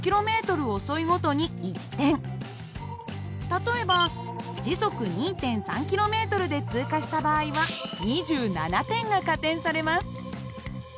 例えば時速２．３ｋｍで通過した場合は２７点が加点されます。